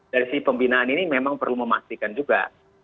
dari sisi pembinaan ini memang perlu memastikan juga